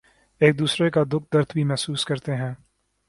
ایک دوسرے کا دکھ درد بھی محسوس کرتے ہیں